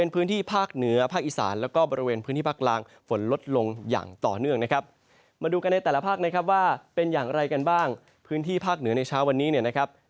พื้นที่ภาคเหนือในเช้าวันนี้นะครับ